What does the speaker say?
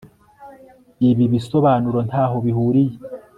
Ibi bisobanuro ntaho bihuriye